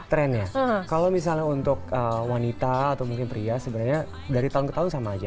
trendnya kalau misalnya untuk wanita atau mungkin pria sebenarnya dari tahun ke tahun sama aja